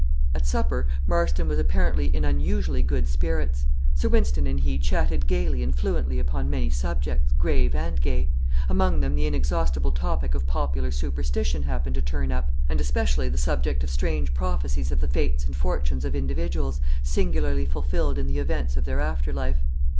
At supper, Marston was apparently in unusually good spirits. Sir Wynston and he chatted gaily and fluently upon many subjects, grave and gay. Among them the inexhaustible topic of popular superstition happened to turn up, and especially the subject of strange prophecies of the fates and fortunes of individuals, singularly fulfilled in the events of their afterlife.